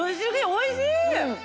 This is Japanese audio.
おいしい！